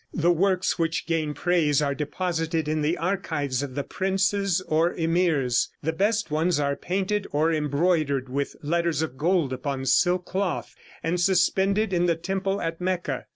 The works which gain praise are deposited in the archives of the princess or emirs. The best ones are painted or embroidered with letters of gold upon silk cloth, and suspended in the temple at Mecca.